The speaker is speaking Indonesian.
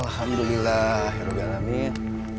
alhamdulillah ya allah biarlah amin